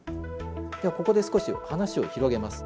ではここで少し話を広げます。